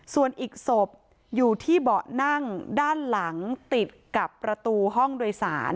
ส่วนอีกศพอยู่ที่เบาะนั่งด้านหลังติดกับประตูห้องโดยสาร